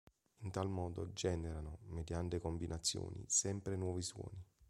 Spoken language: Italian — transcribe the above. In tal modo generano, mediante combinazioni, sempre nuovi suoni.